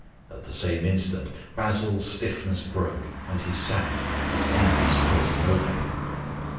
At the same instant Basil's stiffness broke, and he sank, his enemies closing over him.